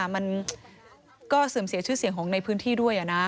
มันก็เสื่อมเสียชื่อเสียงของในพื้นที่ด้วยนะ